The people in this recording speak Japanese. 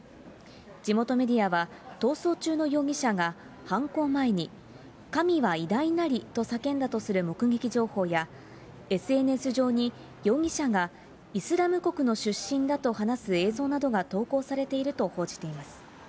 地元メディアは逃走中の容疑者が犯行前に、神は偉大なりと叫んだとする目撃情報や、ＳＮＳ上に容疑者がイスラム国の出身だと話す映像などが投稿されていると報じています。